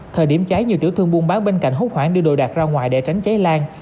thời điểm cháy nhiều tiểu thương buôn bán bên cạnh hốt hoảng đưa đồ đạc ra ngoài để tránh cháy lan